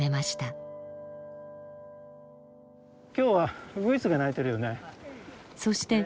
今日はウグイスが鳴いてるよね。